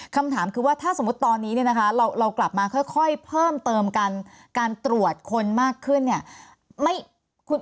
คำถามคือว่าถ้าสมมติตอนนี้เรากลับมาค่อยเพิ่มเติมการตรวจคนมากขึ้น